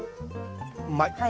うまい。